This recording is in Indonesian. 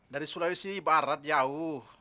dari sulawesi barat jauh